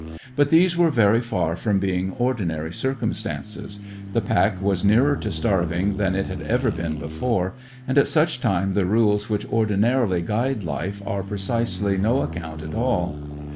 But these were very far from being ordinary circumstances. The pack was nearer to starving than it had ever been before, and at such a time the rules which ordinarily guide life are of precisely no account at all.